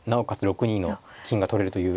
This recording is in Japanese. ６二の金が取れるという。